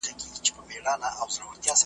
چي د زاغ په حواله سول د سروګلو درمندونه .